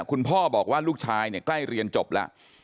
คุณพ่อบอกว่าลูกชายเนี่ยใกล้เรียนจบแล้ว